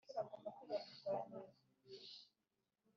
Ibikorwa bakoze mbere no mu gihe cya Jenoside bituma babonwa nk abantu